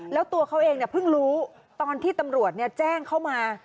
แล้วตัวเขาเองเนี่ยเพิ่งรู้ตอนที่ตำรวจเนี่ยแจ้งเขามา